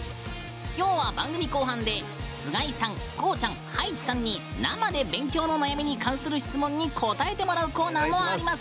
きょうは番組後半で須貝さん、こうちゃん葉一さんに生で勉強の悩みに関する質問に答えてもらうコーナーもあります。